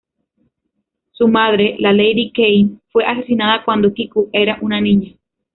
Su madre, la Lady "Kei", fue asesinada cuando Kiku era una niña.